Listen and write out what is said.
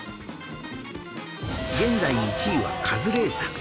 現在１位はカズレーザー